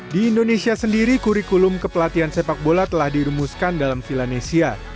di indonesia sendiri kurikulum kepelatihan sepak bola telah dirumuskan dalam vilanesia